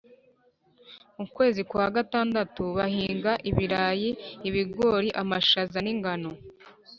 mukwezi kwagatanu Bahinga ibirayi ibigori amashaza n’ingano